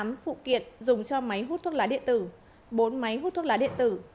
tám phụ kiện dùng cho máy hút thuốc lá điện tử bốn máy hút thuốc lá điện tử